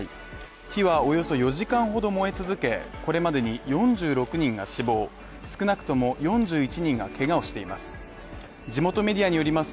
火はおよそ４時間ほど燃え続け、これまでに４６人が死亡少なくとも４１人がけがをしています。